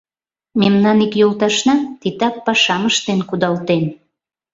— Мемнан ик йолташна титак пашам ыштен кудалтен.